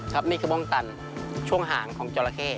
นี่คือบ้องตันช่วงห่างของจราเข้